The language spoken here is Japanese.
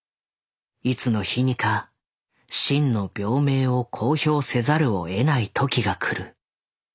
いつの日にか真の病名を公表せざるを得ない時が来る」。